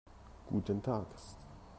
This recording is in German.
Guten Tag.